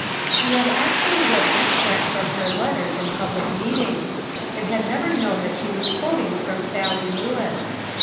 She had actually read extracts from her letters in public meetings, and had never known that she was quoting from Sallie Lewis.